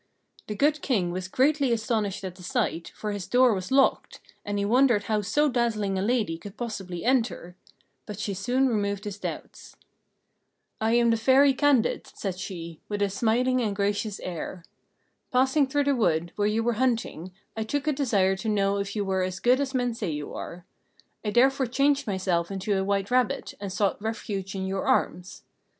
The Good King was greatly astonished at the sight, for his door was locked, and he wondered how so dazzling a lady could possibly enter; but she soon removed his doubts. "I am the Fairy Candide," said she, with a smiling and gracious air. "Passing through the wood, where you were hunting, I took a desire to know if you were as good as men say you are. I therefore changed myself into a white rabbit, and sought refuge in your arms.